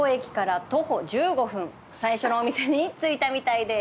最初のお店に着いたみたいです。